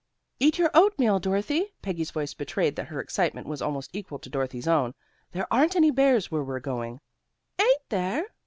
'" "Eat your oatmeal, Dorothy." Peggy's voice betrayed that her excitement was almost equal to Dorothy's own. "There aren't any bears where we're going." "Ain't there?"